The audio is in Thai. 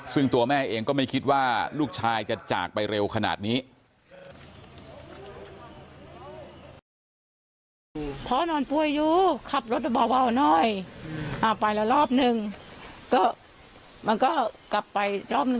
ซึ่งตัวแม่เองก็ไม่คิดว่าลูกชายจะจากไปเร็วขนาดนี้